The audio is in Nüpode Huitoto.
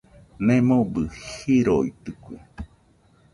Nemobɨ jiroitɨkue.